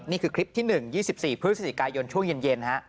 นี่คือคลิปที่๑๒๔พฤศจิกายนช่วงเย็น